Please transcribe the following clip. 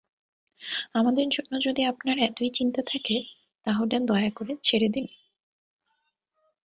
আমাদের জন্য যদি আপনার এতোই চিন্তা থাকে, তাহলে দয়া করে ছেড়ে দিন।